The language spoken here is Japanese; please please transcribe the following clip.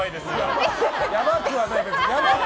やばくはないです。